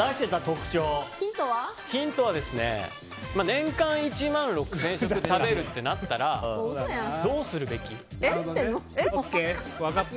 ヒントは年間１万６０００食食べるってなったらＯＫ、分かった。